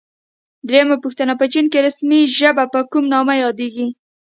درېمه پوښتنه: په چین کې رسمي ژبه په کوم نامه یادیږي؟